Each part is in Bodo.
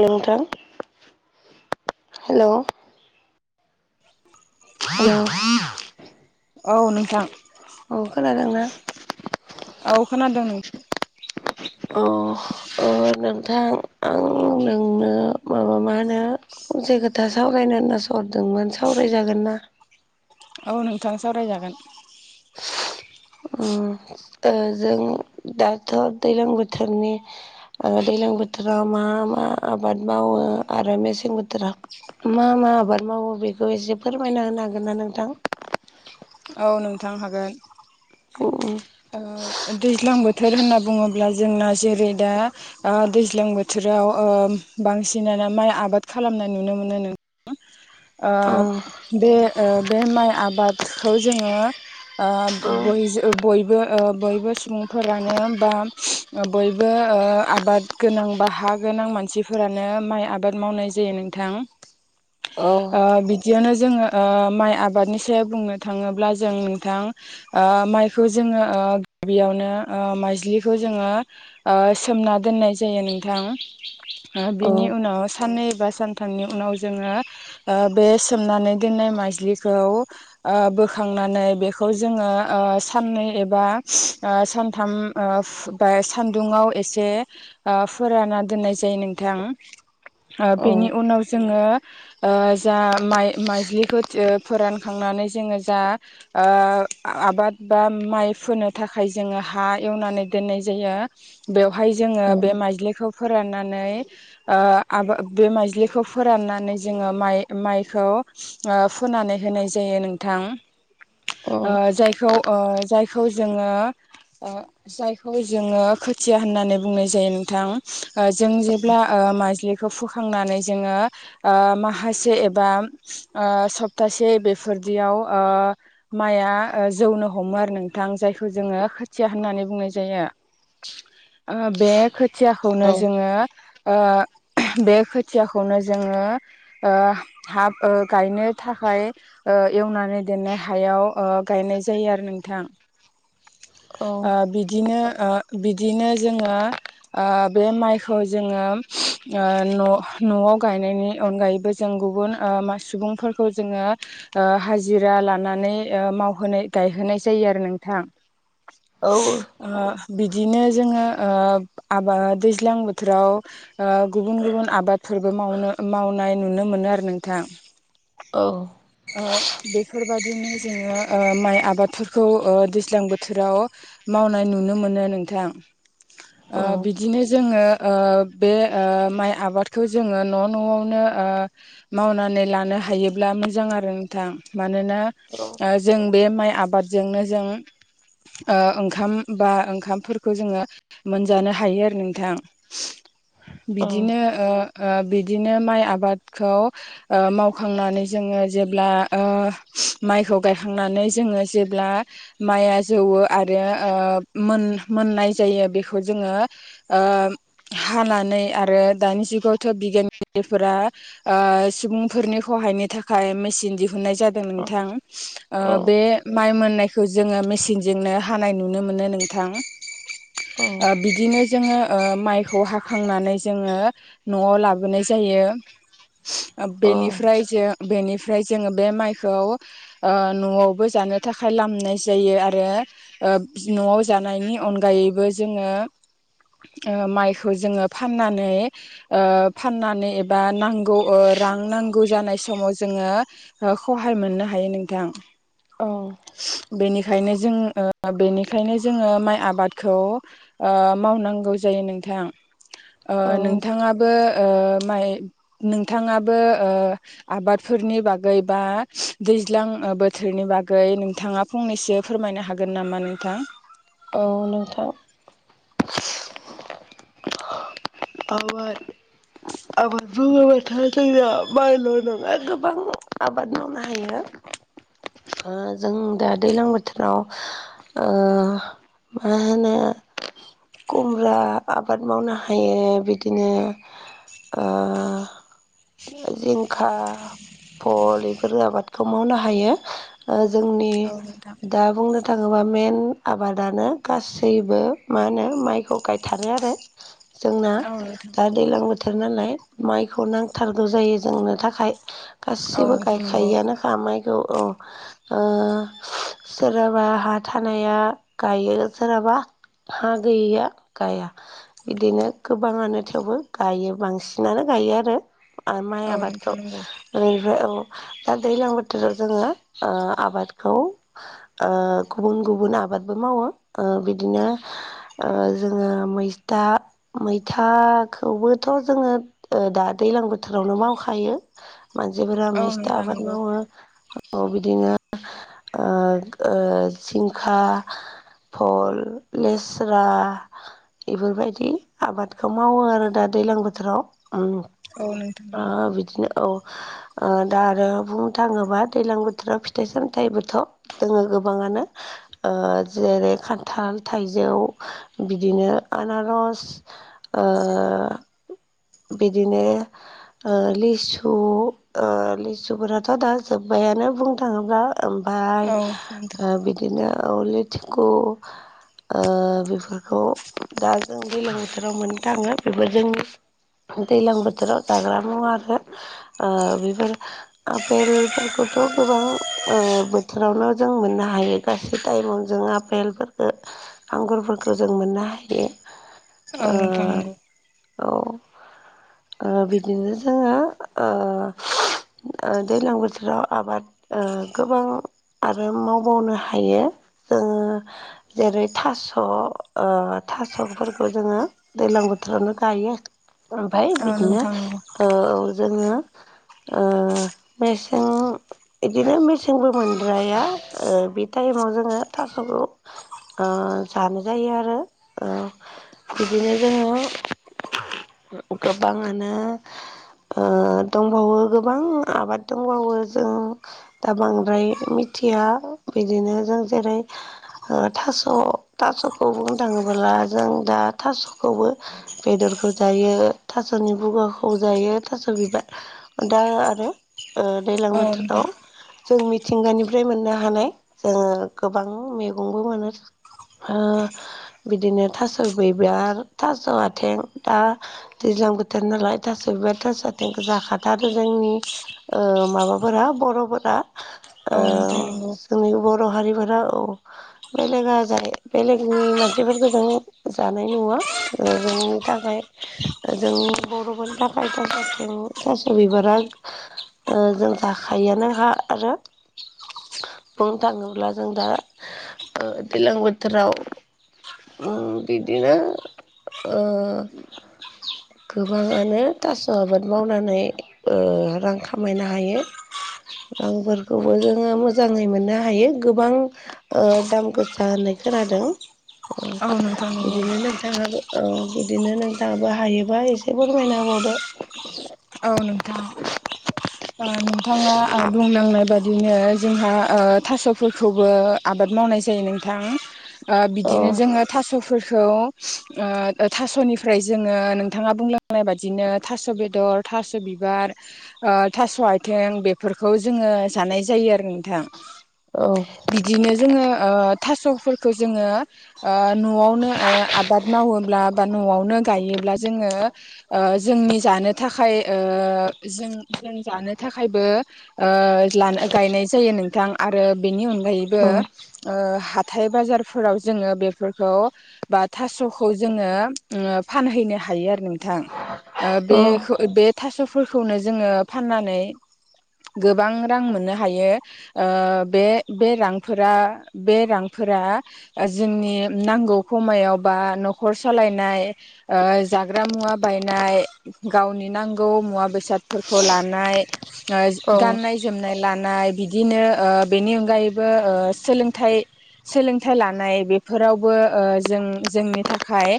नोंथां हेलौ [inaudible] हेलौ औ नोंथां औ खोनादों नों ओ नोंथां आं नोंनो माबा मा होनो फंसे खोथा सावरायनो होनना सरदोंमोन सावरायजागोन ना? औ नोंथां सावरायजागोन। उम ओ जों दाथ' दैलां बोथोरनि ओ दैलां बोथोरा मा मा मा आबाद मावो आरो मेसें बोथोरा मा मा आबाद मावो बेखौ एसे फोरमायना होनो हागोन ना नोंथां? औ नोंथां हागोन। उम उम ओ दैज्लां बोथोर होनना बुङो ब्ला जोंना जेरै दा ओ दैज्लां बोथोराव ओ बांसिनानो माइ आबाद खा खालामनाय नुनो मोनो नों [inaudible] ओ अ बे ओ बे माइ आबादखौ जोङो आ बय जो बय बो ओ बयबो सुबुंफोरानो बा बयबो ओ आबाद गोनां बा हा हा गोनां मानसिफोरानो माइ आबाद मावनाय जायो नोंथां। [inaudible] ओ बिदियावनो जोङो ओ माइ आबादनि सायाव बुंनो थांङोब्ला जों नोंथां ओ माइखौ जोङो ओ बेयावनो ओ माइज्लिखौ जोङो ओ सोमना दोननाय जायो नोंथां। ओ औ बिनि उनाव साननै बा सानथामनि उनाव जोङो ओ बे सोमनानै दोननाय माइज्लिखौ ओ बोखांनानै बेखौ जोङो ओ साननै एबा सानथाम ओ बा सान्दुुंवाव एसे ओ फोराना दोननाय जायो नोंथां। ओ बेनि औ उनाव जोङो ओ जा माइ-माइज्लिखौ थिओ फोरानखांनानै जोङो जा ओ आबाद बा माइ फोनो थाखाय जोङो हा एवनानै दोननाय जायो बेवहाय जोङो बे माइजलिखौ फोराननानै ओ आबा बे माइज्लिखौ फोराननानै जोङो माइ माइखौ ओ फुनानै होनाय जायो नों थां औ ओ जायखौ ओ जायखौ जोङो ओ जायखौ जोङो खोथिया होननानै बुंनाय जायो नोंथां। ओ जों जेब्ला ओ बा माइज्लिखौ फुखांनानै जोङो ओ माहासे एबा ओ सप्तासे ए बेफोर दियाव ओ माइआ ओ जौनो हमो आरो नोंथां। जायखौ जोङो खोथिया होननानै बुंनो जाया [inaudible] आ बे खोथियाखौनो औ जोङो ओ बे खोथियाखौनो जोङो ओ हाब ओ गायनो थाखाय ओ एवनानै दोननाय हायाव ओ गायनाय जायो आरो नोंथां। औ ओ बिदिनो ओ बिदिनो जोङो ओ बे माइखौ जोङो ओ न' न'आव गायनायनि अनगायैबो जों गुबुन ओ मा सुबुंफोरखौ जोङो ओ हाजिरा लानानै ओ मावहोनाय गायहोनाय जायो आरो नोंथां। औ ओ बिदिनो जोङो ओ आबाद दैज्लां बोथोराव गुबुन गुबुन आबाद फोरबो मावनो मावनाय नुनो मोनो आरो नोंथां। औ ओ बेफोरबादिनो जोङो ओ माइ आबादफोरखौ ओ दैज्लां बोथोराव मावनाय नुनो मोनो नोंथां। ओ बिदिनो जोङो ओ बे ओ माइ आबादखौ जोङो न' न'आवनो ओ मावनानै लानो हायोब्ला मोजां आ रो नोंथां। मानोना ओ जों बे माइ आबादजोंनो जों ओ ओंखाम बा ओंखामफोरखौ जोङो मोनजानो हायो आरो नोंथां। बिदिनो ओ ओ बिदिनो माइ आबादखौ ओ मावखांनानै जोङो जेब्ला ओ माइखौ गायखांनानै जोङो जेब्ला माइआ जौवो आरो ओ मोननाय जायो बेखौ ओ जोङो हानानै आरो दानि जुगावथ' बिगियानगिरिफोरा ओ सुबुंफोरनि सहायनि थाखाय मेसिन दिहुनन्नाय जादों नोंथां ओ बे माइ मोननायखौ जोङो मेसिनजोंनो हानाय नुनो मोनो नोंथां। औ ओ बिदिनो जोङो माइखौ हाखांनानै जोङो न'वाव लाबोनाय जायो। बेनिफ्राय जों बेनिफ्राय जोङो बे माइखौ ओ न'वावबो जानो थाखाय लामनाय जायो आरो ओ न'वाव जानायनि अनगायैबो जोङो ओ माइखौ जोङो फाननानै ओ फाननानै एबा नांगौ रां नांगौ जानाय समाव जोङो ओ खहाय मोननो हायो नोंथां। बेनिखायनो जों बेनिखायनो जोङो माइ आबादखौ ओ मावनांगौ जायो नोंथां। ओ नोंथाङाबो ओ माइ नोंथाङाबो ओ आबाद फोरनि बागै बा दैज्लां बोथोरनि बागै नोंथाङा फंनैसो फोरमायनो हागोन नामा नोंथां? औ नोंथां [unintelligible] आबाद बुङोबाथाय जोंनिया माइल' नङा गोबां आबाद मावनो हायो। जों दा दैलां बोथोराव ओ मा होनो खुमब्रा आबाद मावनो हायो। बिदिनो ओ जिंखा फल बेफोर आबादखौ मावनो हायो ओ जोंनि औ नोंथां दा बुंनो थाङोबा मेन आबादानो गासैबो मा होनो माइखौ गायथारो आरो जोंना औ नोंथां थार नालाय माइखौ नांथारगौ जायो जोंनो थाखाय। औ गासिबो नोंथां नंगौ गायखायोआनो खा माइखौ ओं ओ सोरहाबा हा थानाया गायो सोरहाबा हा गैयिया गाया बिदिनो गोबाङानो थेवबो गायो बांसिनानो गायो आरो। आरो माइ औ आबादखौ नोंथां नंगौ ओरैबा औ दा दैलां बोथोराव जोङो ओ आबादखौ ओ गुबुन गुबुन आ आबादबो मावो ओ बिदिनो ओ जोङो मैस्था मैथाखौबोथ' जोङो ओ दा दैलां बोथोरावनो मावखायो। मानसिफोरा औ मेस्था नोंथां आबाद नंगौ मावो औ बिदिनो ओ ओ जिंखा भल लेस्रा इफोरबायदि आबादखौ मावो आरो दा दैलां बोथोराव उम औ नोंथां ओ नंगौ बिदिनो औ ओ दा आरो बुंनो थाङोबा दैलां बोथोराव फिथाइ सामथायाइबोथ' दोङो गोबाङानो। ओ जेरै खान्थाल थाइजौ बिदिनो आनारस ओ बिदिनो ओ लिसु ओ लिसुफोराथ' दा जोब्बायानो बुंनो थाङोब्ला ओमफाय औ नोंथां ओ बिदिनो औ लेथिखु ओ बेफोरखौ दा जों दैलां बोथोराव मोननो थाङो बेफोर जोंनि दैलां बोथोराव जाग्रा मुवा आरो ओ बेफोर आपेलफोरखौ थ' गोबां ओ बोथोरावनो जों मोननो हायो गासै टाइमावनो जों आपेलफोरखो आंगुरफोरखो जों मोननो हायो। औ ओ नोंथां नंगौ। औ ओ बिदिनो जोङो ओ ओ दैलां बोथोराव आबाद ओ गोबां आरो मावबावनो हायो जोङो जेरै थास' ओ थास'फोरखौ जोङो दैलां बोथोरावनो गायो ओमफाय औ बिदिनो नोंथां नंगौ औ जोङो ओ मेसें इदिनो मेसेंबो मोनद्राया ओ बे टाये- माव जोङो थास'खौ ओ जानो जायो आरो ओ बिदिनो जोङो गोबाङानो ओ दंबावो गोबां आबाद दंबावो जों दा बांद्राय मिथिया बिदिनो जों जेरै ओ थास' थास'खौ बुंनो थाङोबोला जों दा थास'खौबो बेदरखौ जायो थास'नि बुगाखौ जायो थास' बिबार दा आरो ओ दैलां औ बोथोराव नोंथां जों मिथिंगानिफ्राय मोननो हानाय जोङो गोबां मैगंबो मोनो। ओ बिदिनो थास' बिबार थास' आथें दा दैज्लां बोथोर नालाय थास' बिबार थास' आथेंखौ जा- खाथारो जोंनि ओ माबाफोरा बर'फोरा। औ नोंथां आं नंगौ जोंनि ब- बर' हारिफोरा औ बेलेगा जायो बेलेगनि मानसिफोरखो‌ जों जानाय नङा ओ जोंनि थाखाय जोंनि बर'फोरनि थाखाय थास' आथें थास' बिबारा ओ जों जाखायोआानो खा आरो बुंनो थाङोब्ला जों दा ओ दैलां बोथोराव उम बिदिनो ओ गोबाङानो थास' आबाद मावनानै रां खामायनो हायो। रांफोरखौबो जोङो मोजाङै मोननो हायो गोबां दाम गोसा होननाय खोनादों औ नोंथां नंगौ बिदिनो नोंथाङाबो औ बिदिनो नोंथाङाबो हायोबा एसे फोरमायना होबावदो औ नोंथां नोंथाङा बुंलां नाय थांनाय बादिनो जोंहा थास'फोरखौबो आबाद मावनाय जायो नोंथां ओ औ बिदिनो जोङो थास' फोरखौ ओ थास'निफ्राय जोङो नोंथाङा बुंलांनाय बादिनो थास' बेदर थास' बिबार थास' आथिं बेफोरखौ जोङो जानाय जायो आरो नोंथां औ बिदिनो जोङो ओ थास'फोरखौ जोङो न'आवनो आबाद मावोब्ला बा न'आवनो गायोब्ला जोङो जोंनि जानो था खाय ओ जों जों जानो थाखायबो ओ लानो गायनाय जायो नों थां आरो बेनि अनगायैबो ओ हाथाय बाजारफोराव जोङो बेफोरखौ बा थास'खौ जोङो ओ फानहैनो हायो आरो नोंथां ओ औ बेखौ बे थास'फोरखौनो जोङो फाननानै गोबां रां मोननो हायो बे रांफोरा बे रांफो रां जोंनि नांगौ खमायखव बा न'खर सोलायनाय ओ जा जाग्रा मुवा बायनाय गावनि नांगौ मुवा बेसादफोरखौ लानाय औ गाननाय जोमनाय ला नाय बिदिनो ओ बेनि अनगायैबो ओ सोलोंथाइ सोलोंथाइ लानाय बेफोरावबो जों जोंनि थाखाय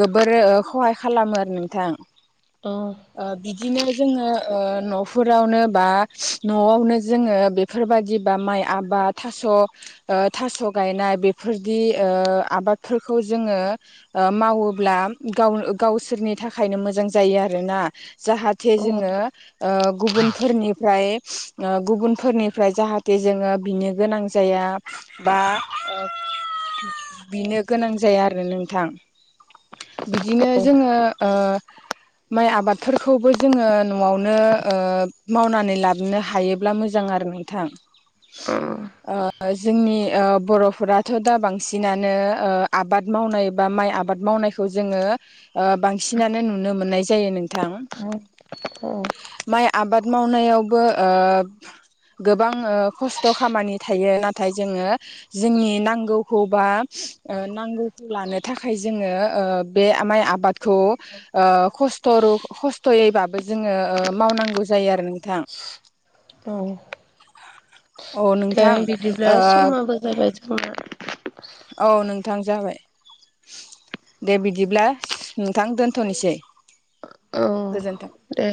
गोबोर ओ खहा खालामो आरो नोंथां औ। ओ बिदिनो जोङो न'फोरावनो बा न'आवनो जोङो बेफोरबादि बा माइ। आबाद थास' गायनाय बेफोरदि आबादफोरखौ जोङो। मावोब्ला गावसोरनि थाखायनो मोजां जायो आरो। आरो ना जाहाथे जोङो। गुबुनफोरनिफ्राय गुबुनफोरनिफ्राय जाहाथे जोङो बिनो गोनां जाया। बा बिनो गोनां जाया आरो नोंथां। बिदिनो जोङो। माइ आबादफोरखौबो जोङो न'आवनो मावनानै लाबोनो हायोब्ला मोजां आरो। नोंथां। [unintelligible] जोंनि बर'फोराथ' दा बांसिनानो आबाद मावनाय बा मा इ आबाद मावनायखौ जोङो बांसिनानो नुनो मोननाय जायो नोंथां। औ औ माइ आबाद मावनायावबो। गोबां खस्थ' खामानि थायो नाथाय जोङो जोंनि नांगौखौबा नांगौखौ लानो थाखाय जोङो बे माइ आबादखौ खस्थ' खस्थ खस्थ'यैबाबो जोङो मावनांगौ जायो आरो नोंथां। औ औ नोंथां समाबो जाबाय जोंना औ नों थां जाबाय दे बिदिब्ला नोंथां दोनथ'नोसै औ गोजोन्थों दे।